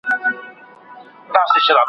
له خپلي ژبي پرته نوري ژبي هم زده کړه.